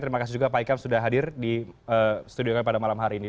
terima kasih juga pak ikam sudah hadir di studio kami pada malam hari ini